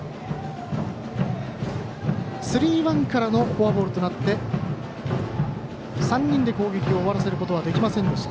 スリーワンからのフォアボールとなって３人で攻撃を終わらせることはできませんでした。